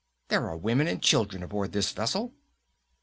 There are women and children aboard this vessel."